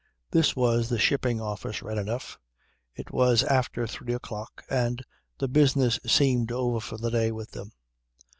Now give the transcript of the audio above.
This was the Shipping Office right enough. It was after 3 o'clock and the business seemed over for the day with them.